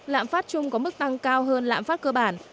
lãm phát chung có mức tăng cao hơn lãm phát cơ bản